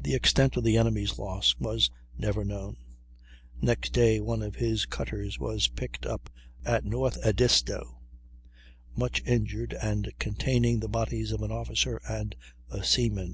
The extent of the enemy's loss was never known; next day one of his cutters was picked up at North Edisto, much injured and containing the bodies of an officer and a seaman.